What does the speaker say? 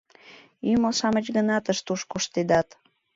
Ӱмыл-шамыч гына тыш-туш коштедат.